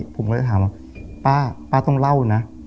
ผมก็เลยถามว่าป้าต้องเล่านะ